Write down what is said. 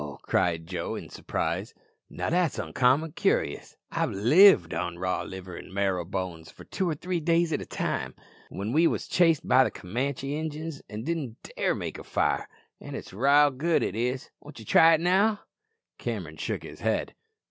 cried Joe in surprise; "now that's oncommon cur'us. I've lived on raw liver an' marrow bones for two or three days at a time, when we wos chased by the Camanchee Injuns an' didn't dare to make a fire; an' it's ra'al good, it is. Won't ye try it now?" Cameron shook his head.